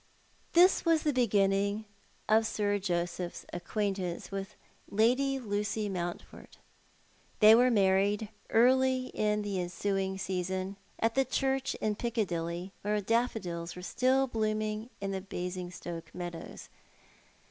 This was the beginning of Sir Joseph's acquaintance with Lady Lucy Mountford. They were married early in the ensuiug season, at the church in Piccadilly, while daffodils were still blooming in the Basingstoke meadows.